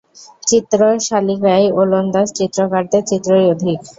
চিত্রশালিকায় ওলন্দাজ চিত্রকারদের চিত্রই অধিক।